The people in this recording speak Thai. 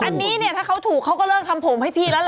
อันนี้เนี่ยถ้าเขาถูกเขาก็เลิกทำผมให้พี่แล้วล่ะ